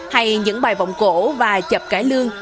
hay những bài vọng cổ và chập cải lương